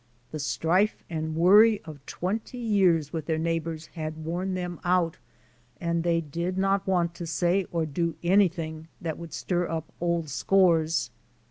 The strife and worry of twenty years with their neighbors had worn them out and they did not want to say or do any thing that would stir up old scores.